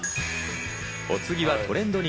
お次はトレンド２。